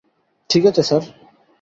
ঠিক আছে স্যার!